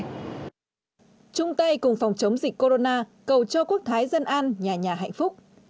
trung tây cùng phòng chống dịch corona cầu cho quốc thái dân an nhà nhà hạnh phúc